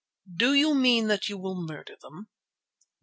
"Do you mean that you will murder them?"